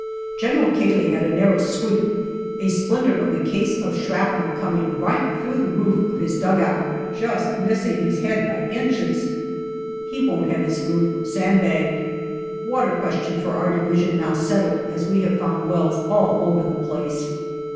General Cayley had a narrow squeak, a splinter of the case of shrapnel coming right through the roof of his dugout, just missing his head by inches. He won't have his roof sand bagged. Water question for our Division now settled, as we have found wells all over the place.